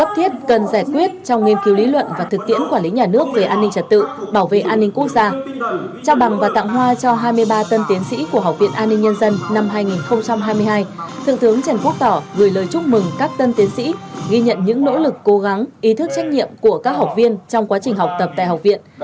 trong nghiên cứu lý luận và thực tiễn quản lý nhà nước về an ninh trật tự bảo vệ an ninh quốc gia trao bằng và tặng hoa cho hai mươi ba tân tiến sĩ của học viện an ninh nhân dân năm hai nghìn hai mươi hai thượng thướng trần quốc tỏ gửi lời chúc mừng các tân tiến sĩ ghi nhận những nỗ lực cố gắng ý thức trách nhiệm của các học viên trong quá trình học tập tại học viện